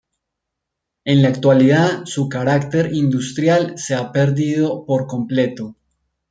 En la actualidad su carácter industrial se ha perdido por completo.